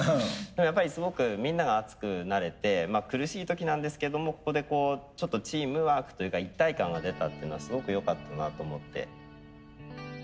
やっぱりすごくみんなが熱くなれてまあ苦しい時なんですけどもここでこうちょっとチームワークというか一体感が出たっていうのはすごくよかったなと思って。